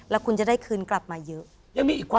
รีบจำกับการจำท๊อค